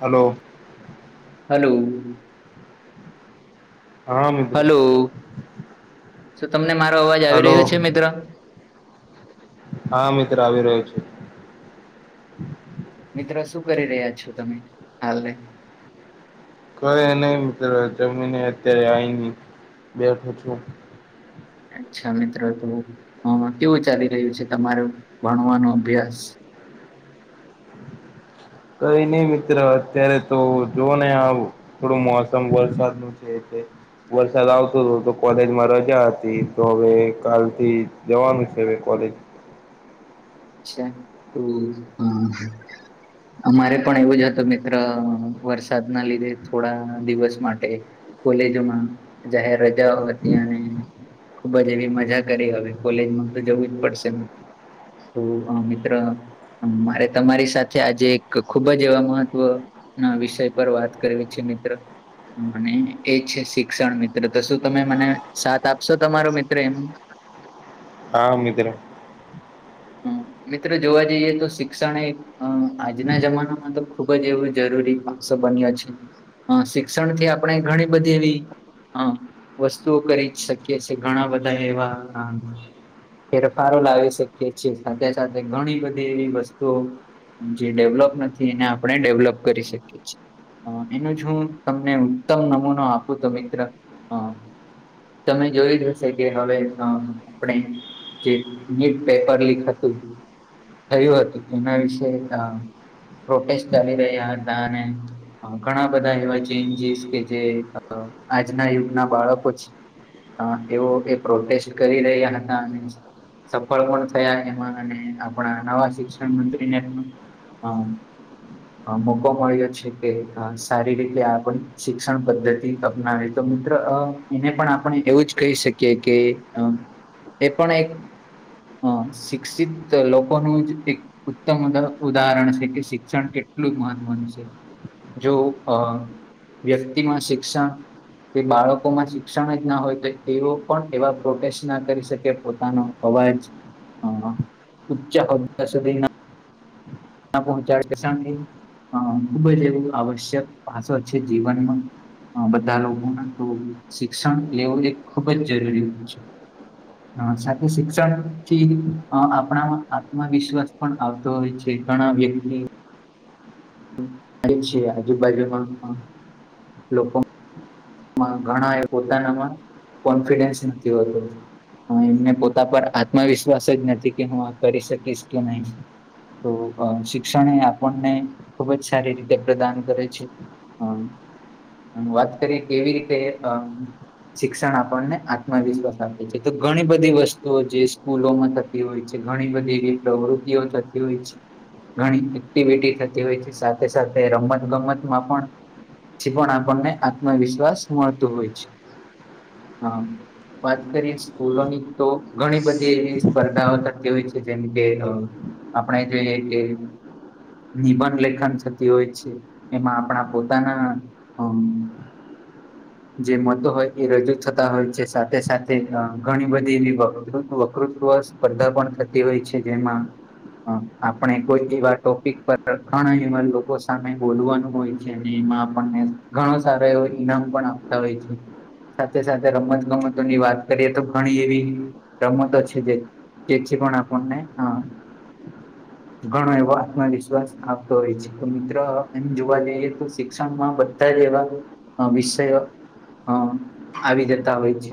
Hello. Hello. હા મિત્ર સુ તમને મારો અવાજ આવી હલો રહ્યો છે મિત્ર હા મિત્ર આવી રહ્યો છું. મિત્રો શું કરી રહ્યા છો તમે હાલ કઇ નઇ મિત્ર જમીને અત્યારે આવી બેઠો છું અચ્છા મિત્રો તો હ કેવું ચાલી રહ્યું છે તમારો ભણવાનો અભ્યાસ કઈ નહી મિત્ર અત્યારે તો જોવ ને થોડું મોસમ વરસાદ નું છે છે વરસાદ આવતો હતો તો કોલેજમાં રજા હતી તો હવે કાલથી જવાનું છે હવે કોલેજ અચ્છા હમ્મ હા. અમારે પણ એવું જ હતું મિત્ર વરસાદ ના લીધે થોડા દિવસ માટે કોલેજોમાં જાહેર રજાઓ હતી અને ખુબ જ એવી મજા કરી હવે કોલેજમાં તો જવું જ પડશે મિત્ર તો અહ મિત્ર મારે તમારી સાથે આજે એક ખુબ જ એવા મહત્વ ના વિષય પર વાત કરવી છે મિત્ર. અને એ છે શિક્ષણ મિત્ર તો શું તમે મને સાથ આપશો તમારો મિત્ર એમાં. હા મિત્ર. હ મિત્ર જોવા જઈએ તો શિક્ષણ એ અહ આજના જમાનામાં તો ખુબ જ એવું જરૂરી પાસો બન્યો છે. અહ શિક્ષણ થી આપણે ઘણી બધી એવી અહ‌ વસ્તુઓ કરી જ શકીએ છીએ ઘણા બધા એવા અહ ફેરફારો લાવી શકીએ છીએ સાથે સાથે ઘણી બધી એવી વસ્તુઓ જે ડેવલોપ નથી એને આપણે ડેવલપ કરી શકીએ છીએ. અહ એનું જ હું તમને ઉત્તમ નમૂનો આપું તો મિત્ર અહ તમે જોય જ હશે કે હવે અહ‌ આપણે જે નીટ પેપર લીક હતું થયું હતું એના વિશે અહ પ્રોટેસ્ટ ચાલી રહ્યા હતા ને ઘણા બધા એવા ચેન્જીસ કે જે આજના યુગના બાળકો છે. અહ એવો એ પ્રોટેસ્ટ કરી રહ્યા હતા અને બળવંત થયા એમાં અને આપણા નવા શિક્ષણ મંત્રીને પણ અહ મોકો મળ્યો છે કે અહ સારી રીતે આપણી શિક્ષણ પદ્ધતિ અપનાવે. તો મિત્રો અહ એને પણ આપણે એવું જ કહી શકીએ કે અહ એ પણ એક અહ શિક્ષિત લોકોનું જ એક ઉત્તમ ઉદહ ઉદાહરણ છે કે શિક્ષણ કેટલું મહત્વનુ છે. જો અહ વ્યક્તિમાં શિક્ષણ તે બાળકોમાં શિક્ષણ જ ના હોય તો તેઓ પણ એવા પ્રોટેસ્ટ ના કરી શકે પોતાનો અવાજ અહ ઉચ્ચા હોદા સુધીના ન પહોંચાડે શાંનતી થી અહ ખુબ જ એવું આવશ્યક પાછો છે જીવનમાં હા બધા લોકોના તો શિક્ષણ લેવું એ ખુબ જ જરૂરી હોય છે. [inaudible] સાથે શિક્ષણથી અહ આપણામાં આત્મવિશ્વાસ પણ આવતો હોય છે. તે ઘણા વ્યક્તિ. હોય છે, આજુબાજુમાં પણ લોકો. માં ઘણા એ પોતાનામાં કોન્ફિડન્સ નથી હોતું. અહ એમને પોતા પર આત્મવિશ્વાસ જ નથી કે, હું આ કરી શકીશ કે નહી. તો અહ શિક્ષણ એ આપણને ખુબ જ સારી રીતે પ્રદાન કરે છે. હમ, વાત કરીએ કેવી રીતે અહ. શિક્ષણ આપણને આત્મવિશ્વાસ આપે છે, તો ઘણી બધી વસ્તુઓ જે સ્કૂલોમાં થતી. હોય છે, ઘણી બધી એવી પ્રવૃત્તિઓ થતી હોય છે. ઘણી એક્ટિવિટી થતી હોય છે, સાથે સાથે રમત ગમતમાં પણ. થી પણ આપણને આત્મવિશ્વાસ મળતું હોય છે, હા. વાત કરીએ સ્કૂલોની તો ઘણી બધી એવી સ્પર્ધાઓ થતી હોય છે જેમ કે, અહ. આપણે જોઈએ કે. નિબંધલેખન થતી હોય છે, એમાં આપણા પોતાના અહ. જે મતો હોય એ રજૂ થતા હોય છે, સાથે સાથે અહ ઘણી બધી એવી વકૃત્વ વકૃત્વ. સ્પર્ધા પણ થતી હોય છે જેમાં. અહ, આપણે કોઈ એવા ટોપિક પર ઘણા એવા લોકો સામે બોલવાનું હોય અને એમાં આપણને ઘણો સારો એવો ઈનામ પણ આપતા હોય છે. સાથે-સાથે રમત ગમતોની વાત કરીએ તો ઘણી એવી રમતો છે જે છે, આપણને આપણને હા. [inaudible] ઘણો એવો આત્મવિશ્વાસ આપતો હોય છે, તો મિત્ર એમ જોવા જઈએ તો શિક્ષણમાં. બધા જ એવા વિષયો અ આવી જતા હોય છે.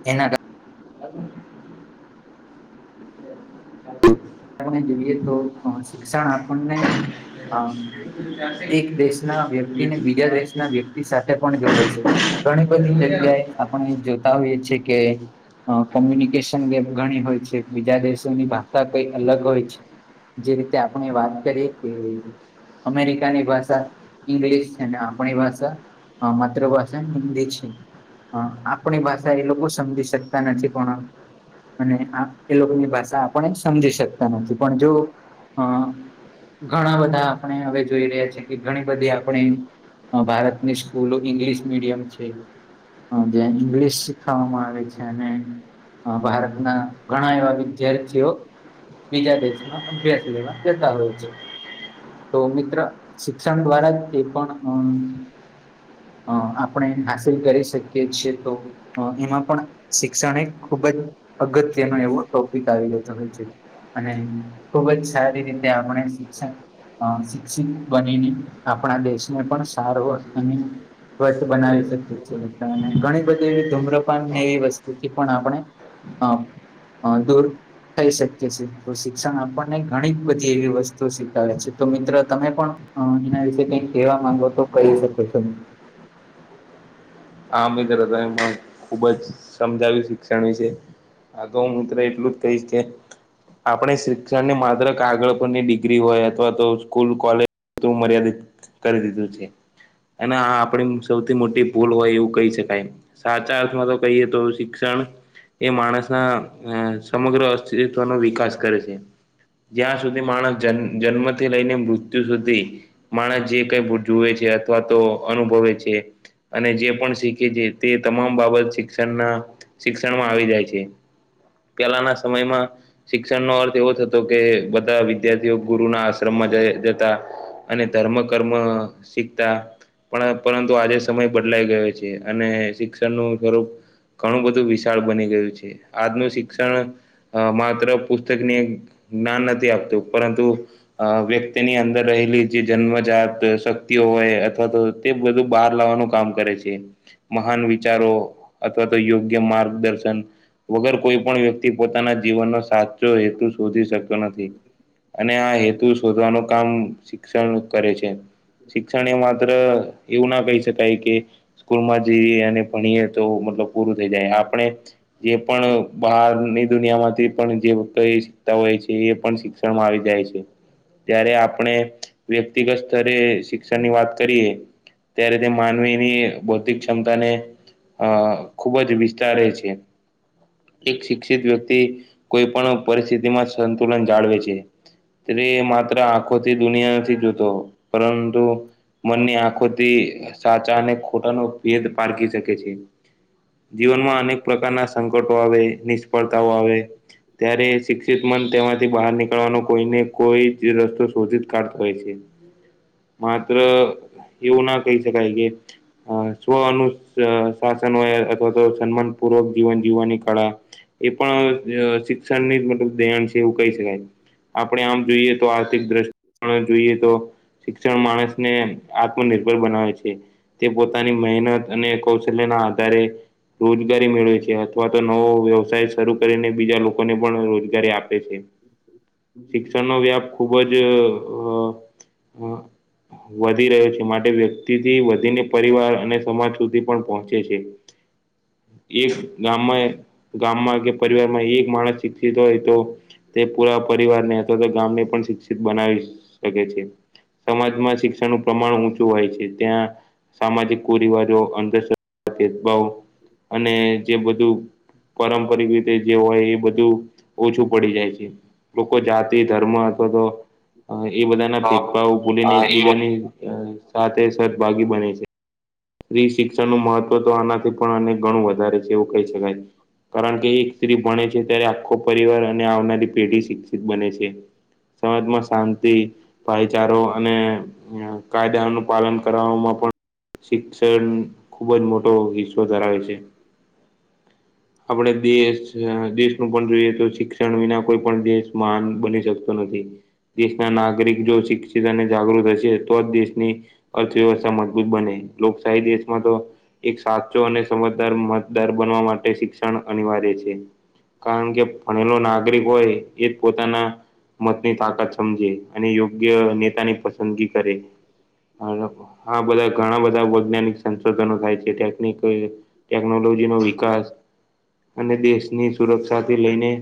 [unintelligible] [inaudible] [unintelligible] જોઈએ તો શિક્ષણ આપણને અહ. એક દેશના વ્યક્તિને બીજા દેશના. [unintelligible] સાથે પણ જોડે છે, ઘણી બધી જગ્યાએ આપણે જોતા હોઈએ છે કે. અ કોમ્યુનિકેશન ગેપ ઘણી હોય છે, બીજા દેશોની ભાષા કઈ અલગ હોય છે. જે રીતે આપણે વાત કરીએ કે. અમેરિકાની ભાષા ઈંગ્લિશ છે ને, આપણી ભાષા. હ માતૃભાષા હિન્દી છે. હ આપણી ભાષા એ લોકો સમજી શકતા નથી પણ. અને આપ એ લોકોની ભાષા આપણે સમજી શકતા નથી, પણ જો અ. ઘણા બધા આપણે હવે જોઈ રહ્યા છે કે, ઘણી બધી આપણે. ભારતની સ્કૂલો ઇંગ્લિશ મીડિયમ છે. હ જ્યાં ઈંગ્લિશ શીખાવામાં આવે છે, અને. ભારતના ઘણા એવા વિધાર્થી. ર્થીઓ બીજા દેશમાં અભ્યાસ લેવા જતા હોય છે. તો મિત્ર શિક્ષણ દ્વારા જ એ પણ અહં. અ આપણે હાસિલ કરી શકીએ છે તો. અ એમાં પણ શિક્ષણ એક ખુબ જ અગત્યનો એવો ટોપિક આવ્યો. [unintelligible] અને ખુબ જ સારી રીતે આપણે શિક્ષણ. અ શિક્ષિત બનીને આપણા દેશને પણ સારો અને. સ્વચ્છ બનાવી શકીએ. [unintelligible] અને ઘણી બધી એવી ધૂમ્રપાન ને એવી વસ્તુથી પણ આપણે અ અ દૂર થઈ શકીએ છે તો શિક્ષણ આપણને ઘણી બધી એવી વસ્તુ શીખાવે છે તો મિત્રો તમે પણ અ એના વિશેે કઈક કહેવા માંગો તો કહી શકો છો. આ મિત્ર તમે ખુબ જ સમજાવ્યું શિક્ષણ વિશે. હા તો હું મિત્ર એટલું જ કહીશ કે આપણે શિક્ષણ ને માત્ર કાગળ પરની ડિગ્રી હોય અથવા તો સ્કૂલ કોલેજ પૂરતું મર્યાદિત કરી દીધું છે અને આ આપણી સૌથી મોટી ભૂલ હોય એવું કહી શકાય એમ, સાચા અર્થમાં તો કહીએ તો શિક્ષણ એ માણસના સમગ્ર અસ્તિત્વનો વિકાસ કરે છે. જ્યાં સુધી માણસ જ જન્મથી લઈને મૃત્યુ સુધી માણસ જે કઈ જુએ છે અથવા તો અનુભવે છે. અને જે પણ શીખે છે તે તમામ બાબત શિક્ષણના શિક્ષણમાં આવી જાય છે. પેલાના સમયમાં શિક્ષણનો અર્થ એવો થતો કે બધા વિદ્યાર્થીઓ ગુરુના આશ્રમમાં જ જતા. અને ધર્મ કર્મ શીખતા પણ પરંતુ આજે સમય બદલાઈ ગયો છે અને શિક્ષણનું સ્વરૂપ ઘણું બધું વિશાળ બની ગયું છે આજનું શિક્ષણ અ માત્ર પુસ્તકની જ્ઞાન નથી આપતું પરંતુ અ વ્યક્તિની અંદર રહેલી જે જન્મજાત શક્તિઓ હોય અથવા તો તે બધું બહાર લાવવાનું કામ કરે છે મહાન વિચારો અથવા તો યોગ્ય માર્ગદર્શન વગર કોઈ પણ વ્યક્તિ પોતાના જીવનનો સાથ જો હેતુ શોધી શક્તો નથી અને આ હેતુ શોધવાનું કામ શિક્ષણ કરે છે, શિક્ષણ એ માત્ર એવું ના કહી શ કાય કે સ્કૂલમાં જઈએ અને ભણીએ તો મતલબ પૂરું થઈ જાય આપણે જે પણ બહારની દુનિયામાંથી પણ જે કઈ શીખતા હોય છે એ પણ કામ આવી જાય છે. ત્યારે આપણે વ્યક્તિગત સ્તરે શિક્ષણની વાત કરીએ ત્યારે તે માનવીની બૌદ્ધિક ક્ષમતા ને અ ખુબ જ વિસ્તારે છે. એક શિક્ષિત વ્યક્તિ કોઈ પણ પરિસ્થિતિ માં સંતુલન જાળવે છે. [unintelligible] એ માત્ર આખોથી દુનિયા નથી જોતો પરંતુ મનની આંખોથી સાચા અને ખોટાનો ભેદ પારખી શકે છે. જીવનમાં અનેક પ્રકારના સંકટો આવે નિષ્ફળતાઓ આવે ત્યારે શિક્ષિત મન તેમાંથી બહાર નીકળવાનો કોઈને કોઈ જ રસ્તો શોધી જ કાઢતો હોય છે. માત્ર એવું ના કહી શકાય કે સ્વ અનુ શાસન હોય અથવા તો સન્માન પૂર્વક જીવન જીવવાની કળા એ પણ શિક્ષણની જ મતલબ દયાણ છે એવું કહી શકાય. આપણે આમ જોઈએ તો આર્થિક દ્રષ્ટ [inaudible] જોઈએ તો શિક્ષણ માણસને આત્મનિર્ભર બનાવે છે. તે પોતાની મહેનત અને કૌશલ્ય ના આધારે રોજગારી મેળવે છે અથવા તો નવો વ્યવસાય શરૂ કરીને બીજા લોકોને પણ રોજગારી આપે છે. શિક્ષણનો વ્યાપ ખુબ જ વધી રહ્યો છે માટે વ્યક્તિ થી વધીને પરિવાર અને સમાજ સુધી પણ પહોંચે છે. એક ગામમાં ગામમાં કે પરિવારમાં એક માણસ શિક્ષિત હોય તો તે પુરા પરિવારને અથવા તો ગામને પણ શિક્ષિત બનાવી શકે છે. સમાજમાં શિક્ષણનું પ્રમાણ ઊંચું હોય છે ત્યાં સામાજિક કુરિવાજો અંધશ્રધા ભેદભાવ અને જે બધું પારંપરિક રીતે જે હોય એ બધું ઓછું પડી જાય છે લોકો જાત તે ધર્મ અથવા તો એ બધાના હા ભેદભાવ ભૂલીને હા એ એકબીજાને અ સાથ તે સદભાગી બને છે. સ્ત્રી શિક્ષણ નો મહત્વ તો આનાથી પણ અને ગણું વધારે છે એવું કહી શકાય. કારણ કે એક સ્ત્રી ભણે છે ત્યારે આખો પરિવાર અને આવનારી પેઢી શિક્ષિત બને છે. સમાજમાં શાંતિ ભાઈચારો અને કાયદાનો પાલન કરવામાં પણ શિક્ષણ ખુબ જ મોટો હિસ્સો ધરાવે છે. આપણે દેશ અ દેશનું પણ જોઈએ તો શિક્ષણ વિના કોઈ પણ દેશ મહાન બની શકતો નથી. દેશના નાગરિક જો શિક્ષિત અને જાગૃત હશે તો જ દેશની અર્થવ્યવસ્થા મજબૂત બને લોકશાહી દેશમાં તો એક સાચો અને સમજદાર મતદાર બનવા માટે શિક્ષણ અનિવાર્ય છે. કારણ કે ભણેલો નાગરિક હોય એ જ પોતાના મતની તાકાત સમજે અને યોગ્ય નેતાની પસંદગી કરે. હા લખ હા બધા ઘણા બધા વૈજ્ઞાનિક સંશોધનો થાય છે ટેકનિકોએ ટેકનોલોજીનો મા વિકાસ અને દેશની સુરક્ષાથી લઈને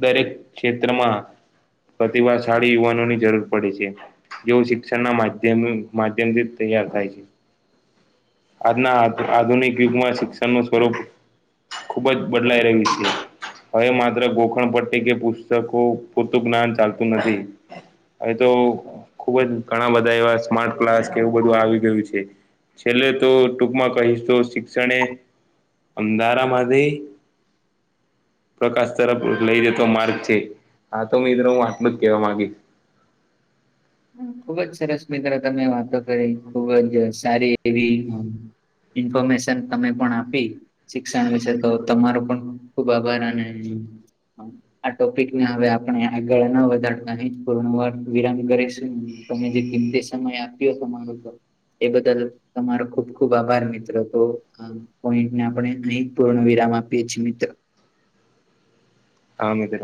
દરેક ક્ષેત્રમાં પ્રતિભાશાળી યુવાનોની જરૂર પડે છે જેવું શિક્ષણના માધ્યમ માધ્યમથી તૈયાર થાય છે. આજના આ આધુનિક યુગમાં શિક્ષણનું સ્વરૂપ ખુબ જ બદલાઈ રહ્યું છે. હવે માત્ર ગોખણ પટ્ટી કે પુસ્તકો પૂરતું જ્ઞાન ચાલતું નથી. હવે તો ખુબ જ ઘણા બધા એવા સ્માર્ટ ક્લાસ એવું બધું આવી ગયું છે છેલ્લે તો ટૂંકમાં કહીશ તો શિક્ષણે અંધારા માંથી- પ્રકાશ તરફ લઈ જતો માગૅ છે. આ તો મિત્રો હું આટલું જ કેહેવા માંગીશ ખુબજ સરસ મિત્રો તમે વાતો કરી ખુબ જ સારી એવી ઇન્ફોર્મેશન તમે પણ આપી, શિક્ષણ વિશે તો તમારો પણ ખુબ આભાર અને આ ટોપિક ને હવે આપણે આગળ ન વધારવા ની પુળૅ વિરામ કરીશ જેમ તમે જે કીમતી સમય આપ્યો તમારો તો એ બદલ તમારો ખુબ ખુબ આભાર મિત્રો તો આ પોઈન્ટને આપણે અહીં પૂર્ણ વિરામ આપીએ છીએ. મિત્ર આ મિત્ર